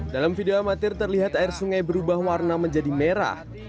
dalam video amatir terlihat air sungai berubah warna menjadi merah